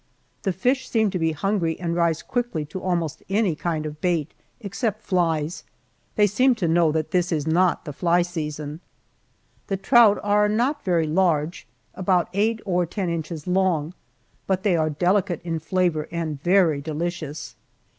The fish seem to be hungry and rise quickly to almost any kind of bait except flies. They seem to know that this is not the fly season. The trout are not very large, about eight and ten inches long, but they are delicate in flavor and very delicious.